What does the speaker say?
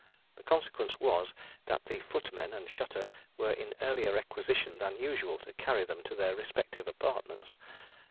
The consequence was, that the footmen and shutter were in earlier requisition than usual to carry them to their respective apartments.